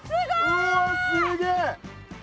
うわっすげえ！